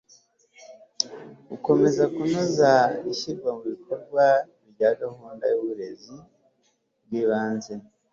gukomeza kunoza ishyirwa mu bikorwa rya gahunda y'uburezi bw'ibanze